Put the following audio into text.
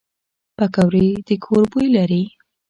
پکورې د کور بوی لري